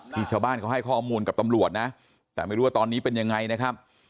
ชาวบ้านเขาให้ข้อมูลกับตำรวจนะแต่ไม่รู้ว่าตอนนี้เป็นยังไงนะครับ